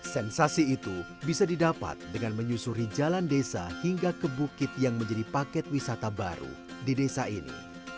sensasi itu bisa didapat dengan menyusuri jalan desa hingga ke bukit yang menjadi paket wisata baru di desa ini